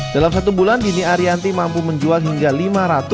dalam satu bulan dini arianti mampu menjual hingga lima ratus